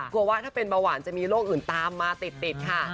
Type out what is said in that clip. ว่าถ้าเป็นเบาหวานจะมีโรคอื่นตามมาติดค่ะ